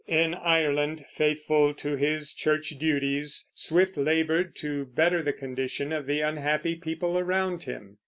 In Ireland, faithful to his church duties, Swift labored to better the condition of the unhappy people around him.